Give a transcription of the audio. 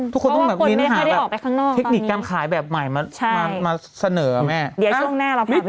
ทุกคนต้องมีนหาแบบเทคนิคการขายแบบใหม่มาเสนอกับแม่ครับเดี๋ยวช่วงหน้าเราพาไปดู